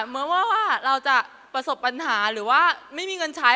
เมื่อว่าเราจะประสบปัญหาหรือว่าไม่มีเงินใช้